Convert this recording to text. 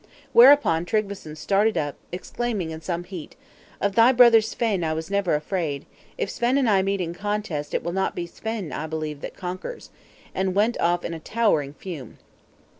Whereupon Tryggveson started up, exclaiming in some heat, "Of thy brother Svein I never was afraid; if Svein and I meet in contest, it will not be Svein, I believe, that conquers;" and went off in a towering fume.